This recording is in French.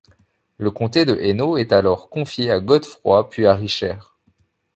Le comté de Hainaut est alors confié à Godefroy, puis à Richer.